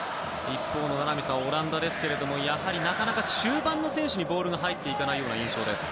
一方のオランダですがやはり、なかなか中盤の選手にボールが入っていかないような印象です。